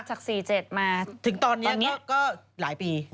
จาก๔๗มาถึงตอนนี้ก็หลายปี